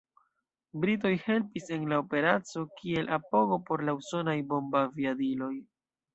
Britoj helpis en la Operaco kiel apogo por la usonaj bombaviadiloj.